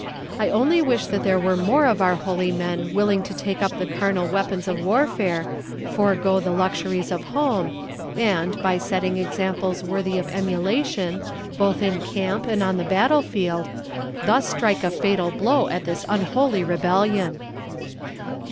I only wish that there were more of our holy men willing to take up the carnal weapons of warfare, forego the luxuries of home, and, by setting examples worthy of emulation, both in camp and on the battle field, thus strike a fatal blow at this unholy rebellion.